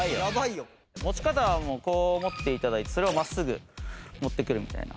持ち方はもうこう持って頂いてそれを真っすぐ持ってくるみたいな。